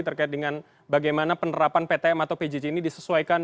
terkait dengan bagaimana penerapan ptm atau pjj ini disesuaikan